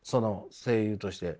声優として。